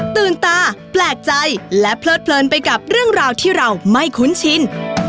ตื่นตาแปลกใจและเพลิดเพลินไปกับเรื่องราวที่เราไม่คุ้นชิน